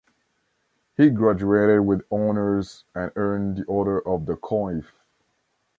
He graduated with honors and earned the Order of the Coif.